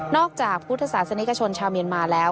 จากพุทธศาสนิกชนชาวเมียนมาแล้ว